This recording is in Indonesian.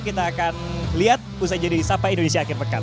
kita akan lihat usai jadi sapa indonesia akhir pekan